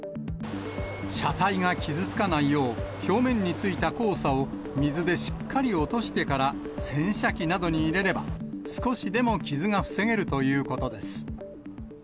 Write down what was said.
車体が傷つかないよう、表面についた黄砂を水でしっかり落としてから洗車機などに入れれば、少しでも傷が防げるということです。